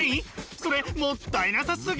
それもったいなさすぎ！